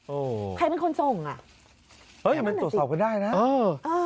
โอ้โหใครเป็นคนส่งอ่ะเฮ้ยมันตรวจสอบก็ได้นะเออ